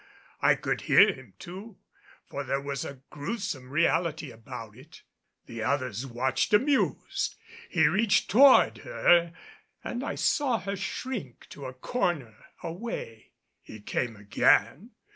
I could hear him too; for there was a gruesome reality about it. The others watched amused. He reached toward her, and I saw her shrink to a corner, away. He came again.